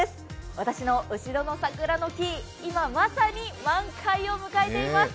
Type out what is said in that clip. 私の後ろの桜の木、今、まさに満開を迎えています。